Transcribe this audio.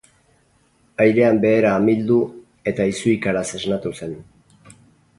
Airean behera amildu eta izuikaraz esnatu zen.